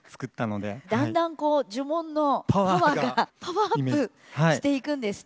だんだんこう呪文のパワーがパワーアップしていくんですって。